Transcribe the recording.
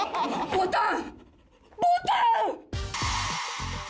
ボタン。